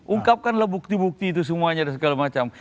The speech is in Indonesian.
ungkapkanlah bukti bukti itu semuanya dan segala macam